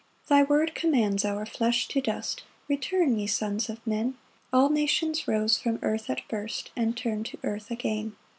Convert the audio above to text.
4 Thy word commands our flesh to dust, "Return, ye sons of men:" All nations rose from earth at first, And turn to earth again.